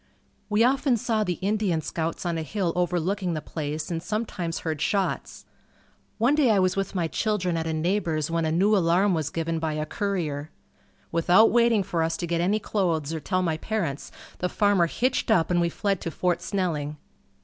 We often saw the Indian scouts on a hill overlooking the place and sometimes heard shots. One day I was with my children at a neighbor's when a new alarm was given by a courier. Without waiting for us to get any clothes or tell my parents, the farmer hitched up and we fled to Fort Snelling.